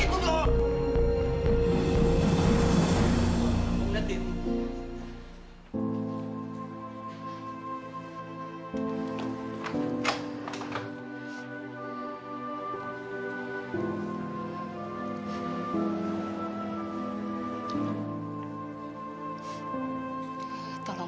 andri gak boleh kayak gitu tuh